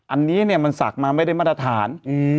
อันนี้เนี่ยมันศักดิ์มาไม่ได้มาตรฐาน